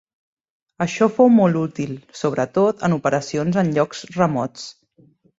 Això fou molt útil, sobretot, en operacions en llocs remots.